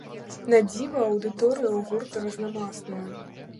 Надзіва, аўдыторыя ў гурта разнамасная.